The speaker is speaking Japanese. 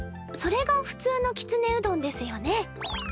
それがふつうのきつねうどんですよね。